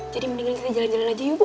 jadi mendingan kita jalan jalan aja yuk bu